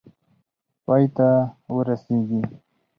پای ته ورسیږي.